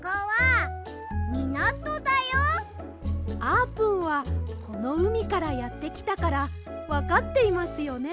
あーぷんはこのうみからやってきたからわかっていますよね？